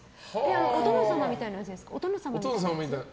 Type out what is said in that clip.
お殿様みたいなやつですか？